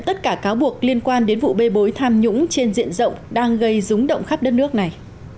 tất cả cáo buộc liên quan đến vụ bê bối tham nhũng trên diện rộng đang gây rúng động khắp đất nước này